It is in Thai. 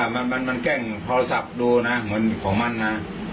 มันแกล้งโทรศัพท์ดูนะเหมือนของมันนะ